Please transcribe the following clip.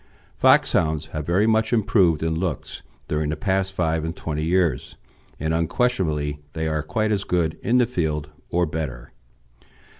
Foxhounds have very much improved in looks during the past five and twenty years, and unquestionably they are quite as good in the field or better.